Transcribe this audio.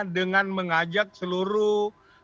dengan mengajak seluruh